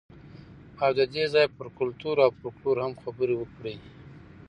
او د دې ځای پر کلتور او فولکلور هم خبرې وکړئ.